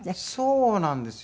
そうなんですよね。